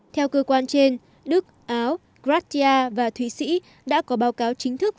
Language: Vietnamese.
theo cơ quan trên đức áo gratia và thụy sĩ đã có báo cáo chính thức